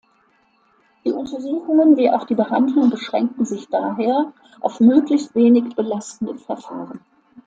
Die Untersuchungen wie auch die Behandlung beschränken sich daher auf möglichst wenig belastende Verfahren.